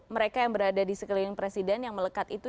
mereka yang berada di sekeliling presiden yang melekat itu